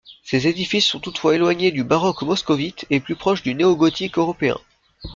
Ces édifices sont toutefois éloignés du baroque moscovite et plus proches du néo-gothique européen.